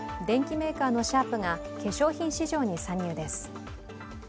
電機メーカーのシャープが化粧品市場に参入です。